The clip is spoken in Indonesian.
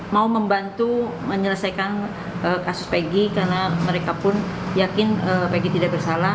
mau membantu menyelesaikan kasus pg karena mereka pun yakin pegg tidak bersalah